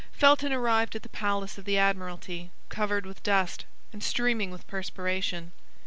Felton arrived at the palace of the Admiralty, covered with dust, and streaming with perspiration.